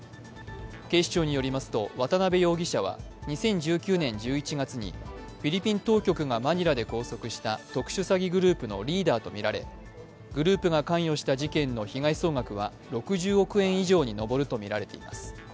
警視庁によりますと、渡辺容疑者は２０１９年１１月にフィリピン当局がマニラで拘束した特殊詐欺グループのリーダーとみられグループが関与した事件の被害総額は６０億円以上に上るとみられています。